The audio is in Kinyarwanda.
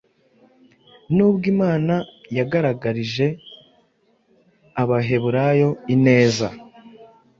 Nubwo imana yagaragarije abaheburayo ineza,